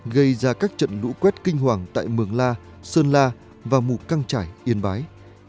gây ra các trận lũ quét kinh hoàng tại mường la sơn la và mù căng trải yên bái